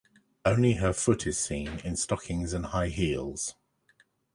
Only her foot is seen, in stockings and high heels.